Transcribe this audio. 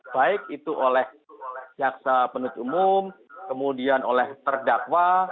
baik itu oleh jaksa penutup umum kemudian oleh terdakwa